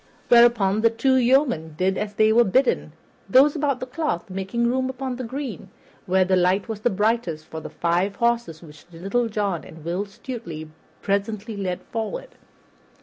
Whereupon the two yeomen did as they were bidden, those about the cloth making room on the green, where the light was brightest, for the five horses which Little John and Will Stutely presently led forward.